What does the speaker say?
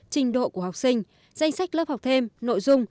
trình độ của học sinh danh sách lớp học thêm nội dung